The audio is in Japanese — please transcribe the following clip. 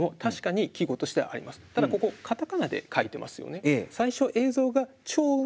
ただここ片仮名で書いてますよね。